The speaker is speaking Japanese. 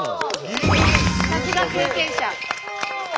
さすが経験者。